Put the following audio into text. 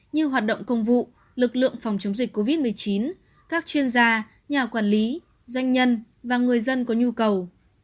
như hoạt động công vụ lực lượng phòng chống dịch covid một mươi chín các chuyên gia nhà quản lý doanh nhân và người dân có nhu cầu